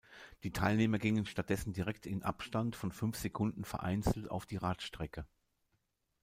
Die Teilnehmer gingen stattdessen direkt im Abstand von fünf Sekunden vereinzelt auf die Radstrecke.